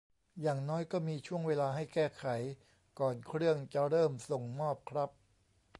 อย่างน้อยก็มีช่วงเวลาให้แก้ไขก่อนเครื่องจะเริ่มส่งมอบครับ